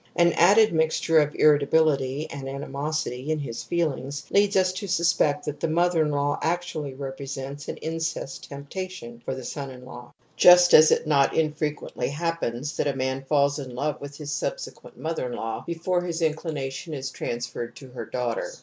An added mixture of irritability and animosity in his feelings leads us to suspect that the mother in law actually represents an incest temptation for the son in law, just as it not infrequently happens that a man falls in love with his subsequent mother in law before his inclination is transferred to her daughter.